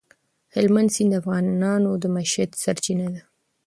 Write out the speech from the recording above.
هلمند سیند د افغانانو د معیشت یوه سرچینه ده.